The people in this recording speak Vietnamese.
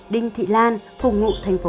đinh thị lan